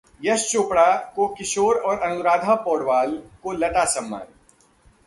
यश चोपड़ा को किशोर और अनुराधा पौड़वाल को लता सम्मान